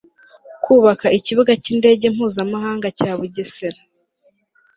kubaka ikibuga cy' indege mpuzamahanga cya bugesera